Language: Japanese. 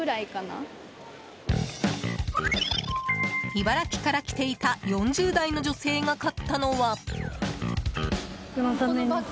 茨城から来ていた４０代の女性が買ったのは。